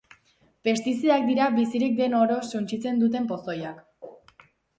Pestizidak dira bizirik den oro suntsitzen duten pozoiak.